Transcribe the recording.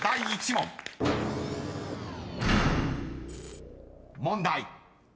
［問題］